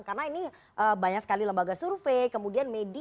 karena ini banyak sekali lembaga survei kemudian media